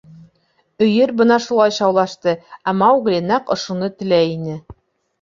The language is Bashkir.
— Өйөр бына шулай шаулашты, ә Маугли нәҡ ошоно теләй ине.